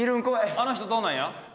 あの人どうなんや？